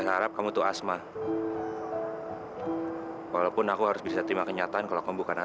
sampai jumpa di video selanjutnya